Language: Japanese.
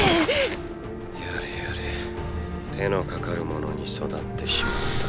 やれやれ手のかかるものに育ってしまった。